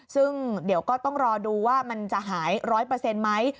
ซึ่งเดี๋ยวก็ต้องรอดูว่ามันจะหาย๑๐๐ไหม